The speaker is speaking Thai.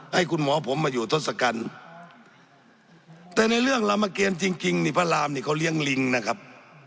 ให้คุณหมอผมมาอยู่ทศกัณฐ์แต่ในเรื่องรามเกียรจริงนี่พระรามนี่เขาเลี้ยงลิงนะครับ